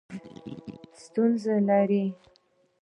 ستونزې لرئ؟